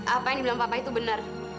apa yang dibilang papa itu benar